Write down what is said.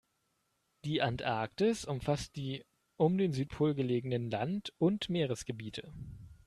Die Antarktis umfasst die um den Südpol gelegenen Land- und Meeresgebiete.